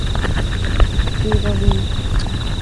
kiba biich